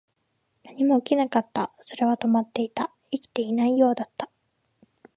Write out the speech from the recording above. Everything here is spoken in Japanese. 何も起きなかった。それは止まっていた。生きていないようだった。